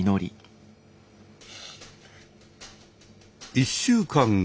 １週間後。